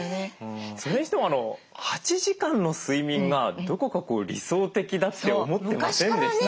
それにしても８時間の睡眠がどこか理想的だって思ってませんでした？